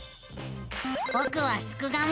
ぼくはすくがミ。